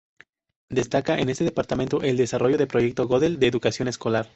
Destaca en este departamento el desarrollo del Proyecto Gödel de Educación Escolar.